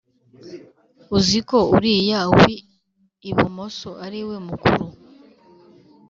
uziko uriya wi ibumoso ariwe mukuru